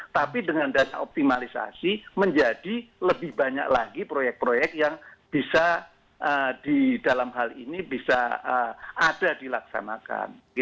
tapi dengan dana optimalisasi menjadi lebih banyak lagi proyek proyek yang bisa di dalam hal ini bisa ada dilaksanakan